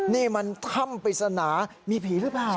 นี่มันถ้ำปริศนามีผีหรือเปล่า